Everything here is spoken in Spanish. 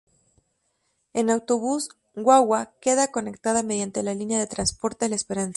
En autobús —guagua— queda conectada mediante la línea de Transportes La Esperanza.